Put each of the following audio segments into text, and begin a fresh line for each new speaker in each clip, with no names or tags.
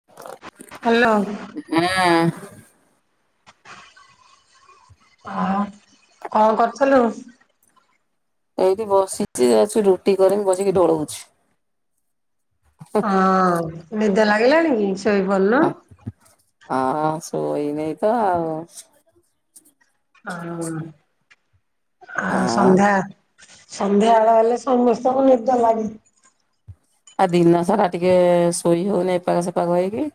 [inaudible]
Hello.
ହଁ।
କଣ୍ କରୁଥୁଲୁ?
ଏଇଠି ବସିଚି ଯାଉଚି ରୁଟି କରିମି ବସିକି ଢୋଳଉଚି।
ହଁ ନିଦ ଲାଗିଲାଣି କି? ଶୋଇପଡୁନ।
ଆ- ଶୁଇନେଇଁ ତ ଆଉ।
ଆମ୍-ଆ-
ଆଉ
ସନ୍ଧ୍ୟା ସନ୍ଧ୍ୟାବେଳ ହେଲେ ସମସ୍ତଙ୍କୁ ନିଦ ଲାଗେ।
ଆ ଦିନ ସାରା ଟିକେ ଶୋଇ ହଉନି ଏପାଖ ସେପାଖ ହେଇକି।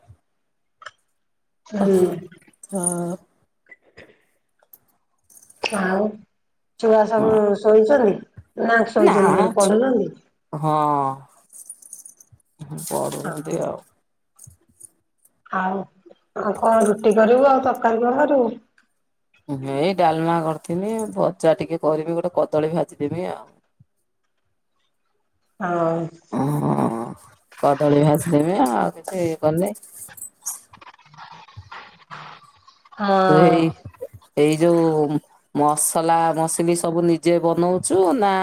ହୁଁ
ଅହ୍ [unintelligible]
ଆଉ ଛୁଆ ସବୁ ଶୋଇଚନି ନା ଶୋଇଚନ୍ତି କହୁଚି ପଢୁଚନ୍ତି?
ହଁ ପଢୁଚନ୍ତି ଆଉ।
ଆଉ -ଆଉ କଣ୍ ରୁଟି କରିବୁ ଆଉ ତରକାରୀ କଣ୍ କରିବୁ?
ଏଇ ଡାଲ୍ମା କରିଥିଲି ଭଜା ଟିକେ କରିବି ଗୋଟେ କଦଳୀ ଭାଜିଦେବି ଆଉ।
ହଉ।
ହୁଁ- କଦଳୀ ଭାଜି ଦେବି ଆଉ କିଛି ଇଏ କରିନି। ତୁ ହେଇ
ହଁ
ଏଇ ଯଉ ମସଲା ମସଲି ସବୁ ନିଜେ ବନଉଚୁ ନା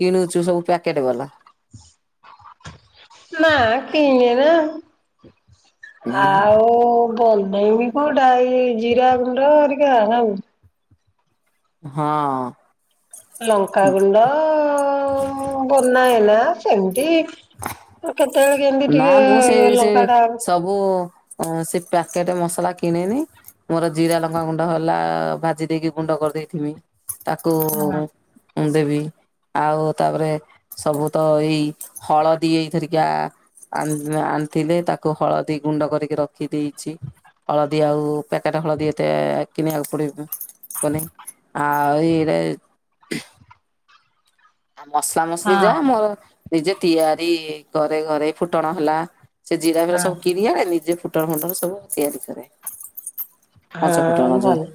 କିଣୁଚୁ ସବୁ ପ୍ୟାକେଟ୍ ବାଲା?
ନା କିଣେ ନା
ଉଁ
ଆଉ ବନେଇବି କଉଟା ଏଇ ଜିରା ଗୁଣ୍ଡ ହେରିକା ଆଉ
ହଁ।
ଲଙ୍କାଗୁଣ୍ଡ ମୁଁ ବନାଏ ନା ସେମିତି ଆ କେତେବଳେ
ନା ମୁଁ ସେଇ- ସେ- ସବୁ ସେ ପ୍ୟାକେଟ୍ ମସଲା କିଣେନି ମର ଜିରା ଲଙ୍କାଗୁଣ୍ଡ ହେଲା ଭାଜି ଦେଇକି ଗୁଣ୍ଡ କରିଦେଇଥିମି ତାକୁ ଉଁ- ଦେବି ଆଉ ତାପରେ ସବୁ ତ ଏଇ ହଳଦୀ ଏଇଥରିକା ଆଣି-ଆଣିଥିଲେ ତାକୁ ହଳଦୀ ଗୁଣ୍ଡ କରିକି ରଖି ଦେଇଚି। ହଳଦୀ ଆଉ ପ୍ୟାକେଟେ ହଳଦୀ ଏତେ କିଣିବାକୁ ପଡିବନି। ଆଉ ଏଇରା [unintelligible] ଆଉ ମସଲା ମସଲି
ହଁ
ଯାହା ମୋର ନିଜେ ତିଆରି ଘରେ ଫୁଟଣ ହେଲା ସେ ଜିରା ଫିରା
ହଁ।
ସବୁ କିରି ଆଣେ ନିଜେ ଫୁଟଣ ଫୁଟଣ ସବୁ ମୁଁ ତିଆରି କରେ। ପଞ୍ଚ ଫୁଟଣ
ଆଉ
ଯୋଉ
ଭଲ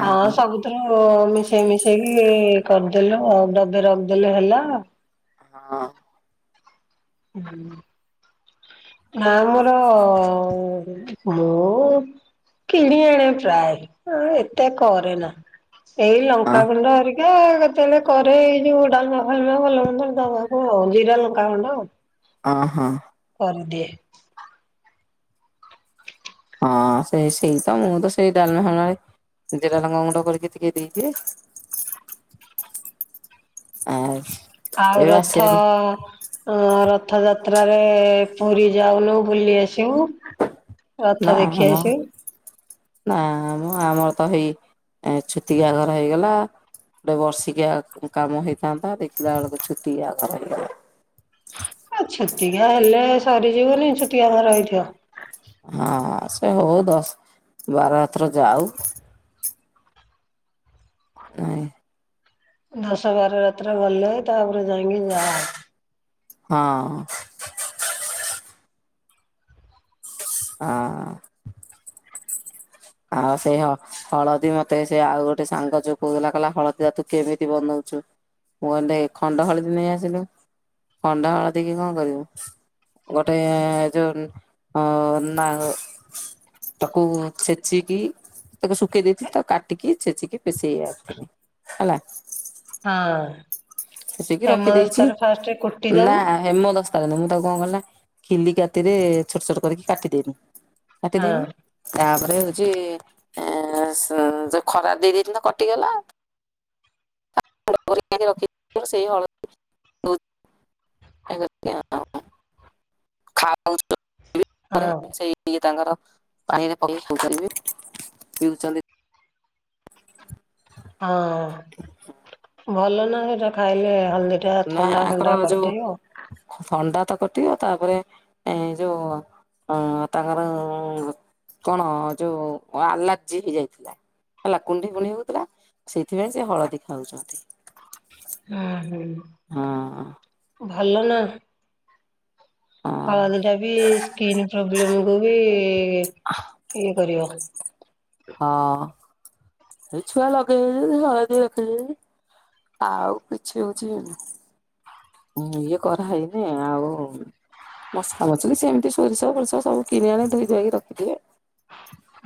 ହଁ ସବୁ ର ମିଶେଇ ମିଶେଇକି କରିଦେଲୁ ଆଉ ଡବେ ରଖିଦେଲୁ ହେଲା।
ହଁ।
ହୁଁ। ନା ମୋର ମୁଁ କିଣି ଆଣେ ପ୍ରାୟ ଏତେ କରେ ନା ଏଇ
ହଁ
ଲଙ୍କାଗୁଣ୍ଡଏରି ଏ କେତେବେଳେ କରେ ଏଇ ଯୋଉ ଡାଲମା ଫାଲମା ଭଲ ମନ୍ଦରେ ଦବାକୁ ଆଉ ଜିରା ଲଙ୍କା ଖଣ୍ଡ।
ଅ ହଁ।
କରିଦିଏ।
ହଁ ସେ ସେଇ ତ ମୁଁ ତ ସେଇ ଡାଲମା ଫାଲମା ରେ ଜିରା ଲଙ୍କା ଗୁଣ୍ଡ କରିକି ଟିକେ ଦେଇଦିଏ। ଆଛ
ଆଉ ରଥ ଉଁ ରଥଯାତ୍ରାରେ ପୁରୀ ଯାଉନୁ ବୁଲି ଆସିବୁ। ରଥ
ନା
ଦେଖି
ମ।
ଆସିବୁ।
ନା ମ ଆମର ତ ହେଇ ଛୁତିକା ଘର ହେଇଗଲା। ଗୋଟେ ବର୍ଷିକିଆ କାମ ହେଇଥାନ୍ତା ଦେଖିଲା ବେଳକୁ ଛୁତିକା ଘର ହେଇଗଲା।
ଆ ଛୁତିକା ହେଲେ ସରିଯିବନି ଛୁତିକା ଘର ହେଇଥିବ।
ହଁ ସେ ହଉ ଦଶ ବାର ରାତ୍ର ଯାଉ। ନାଇଁ।
ଦଶ ବାର ରାତ୍ର ଗଲେ ତାପରେ ଯାଇଁକି ଯା।
ହଁ। ଅଁ। ଆଉ ସେଇ ହଳଦୀ ମତେ ସେ ଆଉ ଗୋଟେ ସାଙ୍ଗ ଯୋଉ କୋହୁଥିଲା କହିଲା ହଳଦୀ ଟ ତୁ କେମିତି ବନଉଛୁ? ମୁଁ କଣ୍ଡେ ଖଣ୍ଡ ହଳଦୀ ନେଇ ଆସିଲୁ ଖଣ୍ଡ ହଳଦୀ କି କଁ କରିବୁ ଗୋଟେ ଯୋଉ ଅ ନା ତାକୁ ସେ ଚିକି ତାକୁ ଶୁଖେଇ ଦେଇଥି ତାକୁ କାଟିକି ଛେଚିକି ପେଶେଇ ଆଣିଥିନି ହେଲା।
ହଁ
ଛେଚିକି
ହେମଦସ୍ତାରେ ଫାଷ୍ଟ କୁଟି ଦବୁ।
ହେମଦସ୍ତା ନୁ ମୁଁ ତାକୁ କଁ କଲି ଖିଲି କାତିରେ ଛୋଟ ଛୋଟ କରିକି କାଟିଦେନି। କାଟିଦେନି
ହଁ
ତାପରେ ହଉଚି ଏଁ ଯୋ ଖରା ଦେଇଦେଇଥିନି କଟିଗଲା [unintelligible] ସେଇ [unintelligible]
ହଁ
[unintelligible] ଇଏ ତାଙ୍କର ପାଣିରେ ପକେଇ ଖାଉଚ୍ଚନ୍ତି ବି ପିଉଛନ୍ତି।
ହଁ ଭଲ ନା ହେରା ଖାଇଲେ ହଳଦୀ ଟା
ନା
ଥଣ୍ଡା
ଆଙ୍କର
ଫଣ୍ଡା
ଯୋଉ
କଟେଇବ।
ଥଣ୍ଡା ତ କଟିବ ତାପରେ ଏ ଯୋଉ ଆଁ ତାଙ୍କର କଣ ଯୋଉ ଆଲାର୍ଜି ହେଇଯାଇଥିଲା। ହେଲା କୁଣ୍ଡି କୁଣ୍ଡି ହଉଥିଲା ସେଇଥିପାଇଁ ସେ ହଳଦୀ ଖାଉଛନ୍ତି।
ହଁ ହୁଁ।
ହଁ।
ଭଲ ନା।
ହଁ
ହଳଦୀ ଟା ବି ସ୍କିନ୍ ପ୍ରୋବ୍ଲେମ କୁ ବି ଇଏ କରିବ।
ହଁ। ଏଇ ଛୁଆ ଲଗେଇ [unintelligible] ହଳଦୀ ରଖେଇଦେଇଚି ଆଉ କିଛି ହଉଚି ଉଁ ଇଏ କରାହେଇନି ଆଉ ମସଲା ମଛଲି ସେମିତି ସୋରିଷ ଫୋରିସ ସବୁ କିଣି ଆଣେ ଧୋଇ ଧୁଆ ଇକି ରଖିଦିଏ।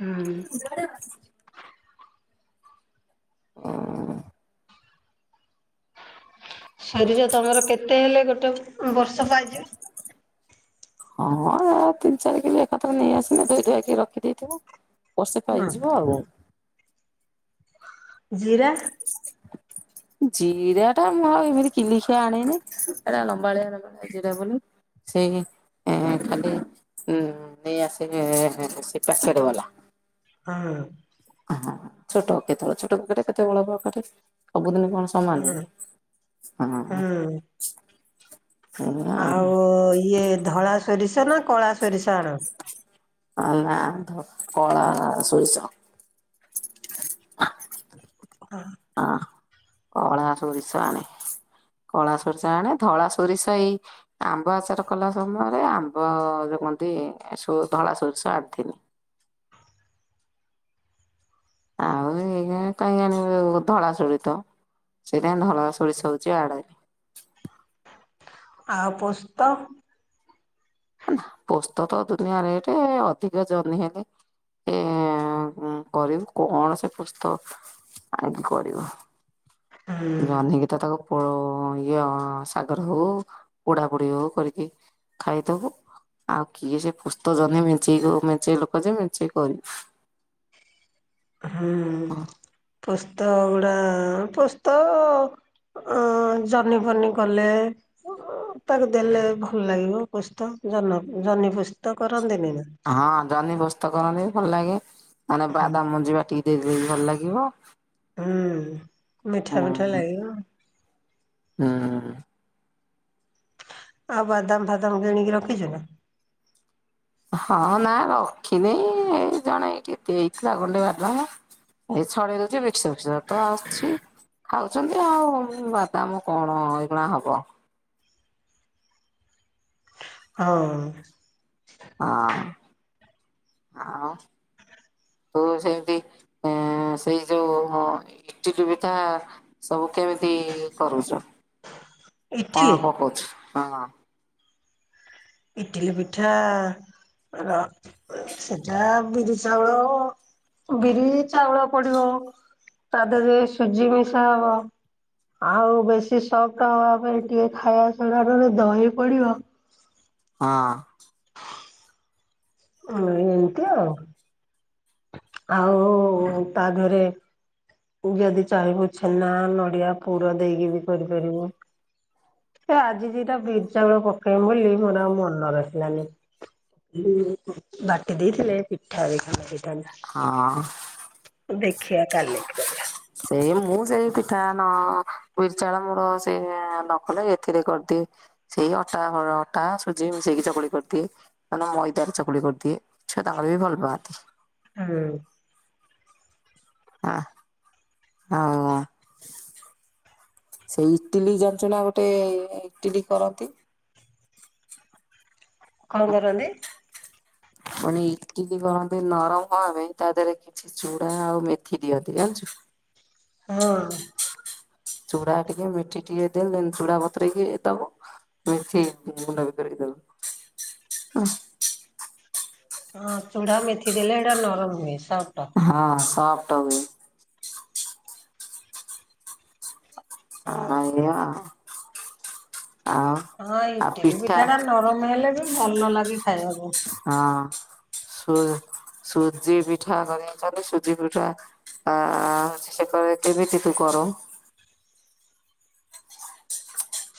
ହୁଁ।
[unintelligible]
ଶରୀର ତମର କେତେ ହେଲେ ଗୋଟେ ବର୍ଷ ପାଇଜୀବ।
ହଁ ହେରା ତିନି ଚାରି କିଲି ଏକାଥର ନେଇଆସିଲେ ଧୋଇ ଧୂଆକି ରଖିଦେଇଥିବୁ। ବର୍ଷେ ପାଇଯିବ ଆଉ।
ଜିରା।
ଜିରାଟା ମୁଁ ଆଉ ଏମିତି କିଲି କିଆ ଆଣେନି ଏଟା ଲମ୍ବାଳିଆ ଲମ୍ବାଳିଆ ଜିରା ବୋଲି। ସେ ଖାଲି ଉ ନେଇ ଆସିବେ ସେ ପାକେଟ ଵାଲା।
ହଁ।
ହଁ ଛୋଟ କେତେବେଳେ ଛୋଟ ପକେଟେ କେତେବେଳେ ପକଟେ ସବୁଦିନ କଣ ସମାନ
ହଁ
ନୁହୁଁ
ହୁଁ
ହଁ।
ଆଉ ଇଏ ଧଳା ସୋରିଷ ନା କଳା ସୋରିଷ ଆଣ?
ହ ନାଁ ଧ କଳା ସୋରିଷ। ହଁ କଳା ସୋରିସ ଆଣେ। କଳା ସୋରିଷ ଆଣେ ଧଳା ସୋରିଷ ଏଇ ଆମ୍ବ ଆଚାର କଲା ସମୟରେ ଆମ୍ବ ଯଉ କଣତି ଷୋ ଧଳା ସୋରିଷ ଆଣିଥିନି। ଆଉ ଏ କାହିଁ ଆଣିବେ ଧଳା ସୋରିତ ସେଇଟା ଧଳା ସୋଳିଷ ହଉଛି ଆଡରେ
ଆଉ ପୋସ୍ତ?
ପୋସ୍ତ ତ ଦୁନିଆ ରେଟେ ଅଧିକ ଜହ୍ନି ହେଲେ। ଏ କରିବୁ କଣ ସେ ପୁସ୍ତ ଆଣକି କରିବୁ।
ହୁଁ
[inaudible] ଜହ୍ନି ରେ ତ ତାକୁ ପୋ ଇଏ ସାଗରେ ହଉ ପୋଡା ପୋଡି ହଉ କରିକି ଖାଇଦବୁ ଆଉ କିଏ ସେ ପୁସ୍ତଜହ୍ନି ମେଞ୍ଚେଇ ମେଞ୍ଚେଇ ଲୋକ ଯେ ମେଞ୍ଚେ କରିବୁ।
ହୁଁ ପୋସ୍ତ ଗୁଡା ପୋସ୍ତ ଅ ଜହ୍ନି ଫନି କଲେ ତାକୁ ଦେଲେ ଭଲ ଲାଗିବ ପୋସ୍ତ ଜହ୍ନ ଜହ୍ନି ପୁସ୍ତ କରନ୍ତିନି ନା?
ହଁ ଜହ୍ନି ପୋସ୍ତ କରନ୍ତି ଭଲ ଲାଗେ ମାନେ
ହୁଁ
ବାଦାମ ମଞ୍ଜି ବାଟିକି ଦେଇ ଦେଲେ ବି ଭଲ ଲାଗିବ।
ହୁଁ ମିଠା ମିଠା ଲାଗୀବ।
ହଁ।
ଆଉ ବାଦାମ ଫାଦାମ କିଣିକି ରଖିଛୁ ନା?
ହଁ ନା ରଖିନି ଏ ଜଣେ କିଏ ହେଇଥିଲା ଗଣ୍ଡେ ବାଦାମ। ଏଇ ଛଡେଇ ଦଉଛି ମିକ୍ସଚର ଫିକସର ତ ଆସୁଛି। ଖାଉଛନ୍ତି ଆଉ ବାଦାମ କଣ ଏଇଖୁଣା ହବ।
ହଉ।
ହଁ ହ। ତ ସେମିତି ଏ ସେଇ ଯୋଉ ଇଟିଲି ପିଠା ସବୁ କେମିତି କରୁଛ
ଇଟିଲି
କଣ ପକଉଛୁ ହଁ।
ଇଟିଲି ପିଠା। ସେଟା ବିରି ଚାଉଳ ବିରି ଚାଉଳ ପଡିବ ତା ଦେହରେ ସୁଜି ମିଶା ହବ। ଆଉ ବେଶୀ ସଫ୍ଟ ହବା ପାଇଁ ଟିକେ ଖାଇବାସୋଡ଼ାରେ ଦହି ପଡିବ।
ହଁ।
ହଁ ଏମିତି ଆଉ। ଆଉ ତା ଦେହରେ ଯଦି ଚାହିଁବୁ ଛେନା ନଡିଆ ପୁର ଦେଇକି ବି କରିପାରିବୁ। ହେ ଆଜି ଦିଟା ବିଟ୍ ଚାଉଳ ପକେଇମି ବୋଲି ମୋର ଆଉ ମନର ରହିଲାନି। ହ ବାଟି ଦେଇଥିଲେ ପିଠା ଦି ଟା ହେଇଥାନ୍ତା।
ହଁ।
ଦେଖିଆ କାଲିକି କରିଆ।
ସେଇ ମୁଁ ସେଇ ପିଠା ନ ବିର୍ ଚାଉଳ ମୋର ସେ ନ କଲେ ଏଥିରେ କରଦିଏ। ସେଇ ଅଟା ଅର ଅଟା ସୁଜି ମିଶେଇକି ଚକୁଳି କରଦିଏ। ମାନେ ମଇଦାରେ ଚକୁଳି କରିଦିଏ ଛୁଆ ତାଙ୍କର ବି ଭଲ ପାଆନ୍ତି।
ହଁ।
ଆ ଆ। ସେଇ ଇଟିଲି ଜାନଚନା ଗୋଟେ ଇଟିଲି କରନ୍ତି?
କଣ କରନ୍ତି?
ମାନେ ଇଟିଲି କରନ୍ତି ନରମ ହବା ପାଇଁ ତା ଦେହରେ କିଛି ଚୁଡା ଆଉ ମେଥି ଦିଅନ୍ତି ଜାଣିଛୁ?
ହଁ।
ଚୂଡ଼ା ଟିକେ ମିଠି ଟିକେ ଦେଲେ ଚୁଡ଼ା ବତୁରେଇକି ଦବ। ମେଥି ଗ ଗୁଣ୍ଡ ବିତେରେଇ ଦବ ହ
ହଁ ଚୁଢା ମେଥି ଦେଲେ ଏଇଟା ନରମ ହୁଏ ସଫ୍ଟ।
ହଁ ସଫ୍ଟ ହୁ
ହଁ
ଆ ଆ ଆଉ
ହଁ ଇଟିଲି ପିଠା ଟା ନରମ ହେଲେ ବି ଭଲ ଲାଗେ ଖାଇବାକୁ।
ହଁ ସୁ ସୁଜି ପିଠା କରିଛନ୍ତି ସୁଜି ପିଠା। ଆ ସେତେବେଳେ କେମିତି ତୁ କରୁ?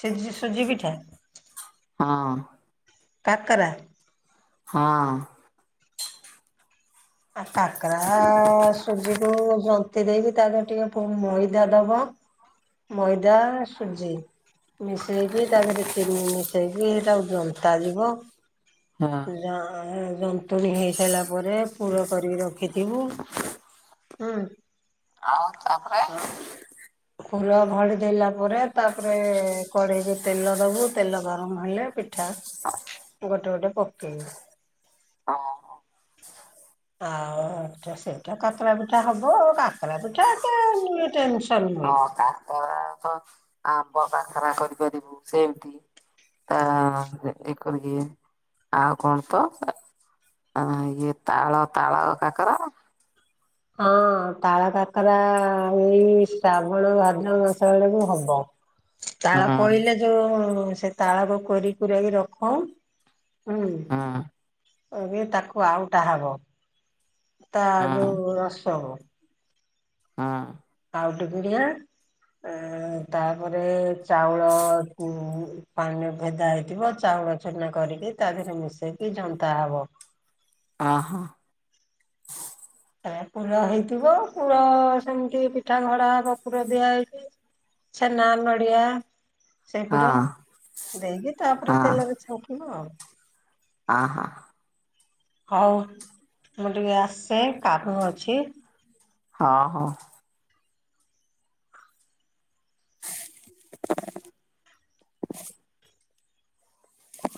ସେ ଜୁ ସୁଜି ପିଠା।
ହଁ।
କାକାରା।
ହଁ।
ଆ କାକରା ସୁଜିକୁ ଜନ୍ତି ଦେଇକି ତା ଦେହ ଟିକେ ପୁ ମଇଦା ଦବ। ମଇଦା ସୁଜି। ମିଶେଇକି ତା ଦେହରେ ଚିନି ମିଶେଇକି ଟା ଆଉ ଜନ୍ତା ଯିବ।
ହଁ।
ଜ ଅ ଯନ୍ତୁଣୀ ହେଇ ସାରିଲା ପରେ ପୁର କରିକି ରଖିଥିବୁ। ହଁ।
ଆଉ ତାପରେ
ଆ ପୁର ଘଡି ଦେଲା ପରେ ତାପରେ କଢେଇରେ ତେଲ ଦବୁ ତେଲ ଗର ରମ ହେଲେ ପିଠା ଗୋଟେ ଗୋଟେ ପକେଇବୁ।
ଓହ।
[unintelligible] ଆଉ ଏଟା ସେଟା କାକରା ପିଠା ହବ କାକରା ପିଠା ଏତେ ଉ ଟେନ
ହଁ କାକରା ତ ଆମ୍ବ କାକରା କରିପାରିବୁ ସେମିତି। ଆ ଏ ଏଇ କରିକି ଆଉ କଣ ତ? ଆ ଇଏ ତାଳ ତାଳ କାକରା।
ହଁ ତାଳ କାକରା ଇ ଶ୍ରାବଣ ଭାଦ୍ର ମାସ ଆଡ଼କୁ ହବ।
ହୁଁ
ତାଳ ପଇଲେ ଯୋଉ ସେ ତାଳକୁ କୋରି କୁରେଇକି ରଖ। ହୁଁ ଏବେ ତାକୁ ଆଉଟା ହବ ତା
ହୁଁ
ଯୋଉ [unintelligible]
ହଁ।
[unintelligible] ପିଡିଆ ଆଁ ତାପରେ ଚାଉଳ ଉଁ ପାଣିରେ ଭେଦା ହେଇଥିବ, ଚାଉଳ ଛୁନା କରିକି ତା ଧେରେ ମିଶେଇକି ଯନ୍ତା ହବ।
ଅହ।
ପୁର ହେଇଥିବ ପୁର ସେମ୍ତି ପିଠା ଗଢ଼ା ହବ ପୁର ଦିଆ ହେଇକି। ଛେନା, ନଡ଼ିଆ ସେ
ହଁ
ପୁର ଦେଇକି ତାପରେ
ହଁ
ତେଲରେ ଛାଙ୍କିବ ଆଉ।
ଆହ।
ହଉ ମୁଁ ଟିକେ ଆସେ କାମ ଅଛି।
ହ-ହଁ। ହ